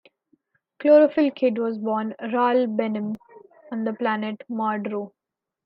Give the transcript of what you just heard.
Chlorophyll Kid was born Ral Benem on the planet Mardru.